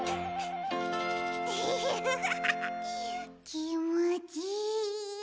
きもちいい。